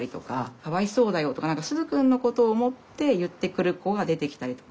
「かわいそうだよ」とか何かすずくんのことを思って言ってくる子が出てきたりとか。